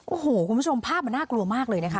โอ้โหคุณผู้ชมภาพมันน่ากลัวมากเลยนะคะ